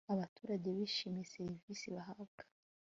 abaturage bishimiye serivisi bahabwa